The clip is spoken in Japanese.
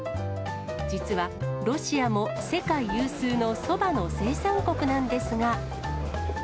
実はロシアも世界有数のそばの生産国なんですが。